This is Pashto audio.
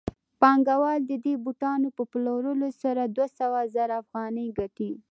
پانګوال د دې بوټانو په پلورلو سره دوه سوه زره افغانۍ ګټي